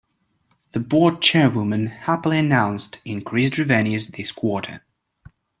The board chairwoman happily announced increased revenues this quarter.